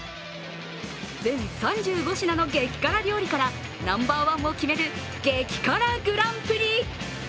全３５品の激辛料理からナンバーワンを決める激辛グランプリ。